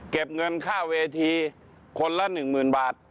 เก็บเงินค่าเวทีคนละหนึ่งหมื่นบาท